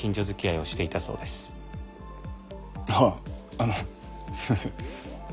あのすいません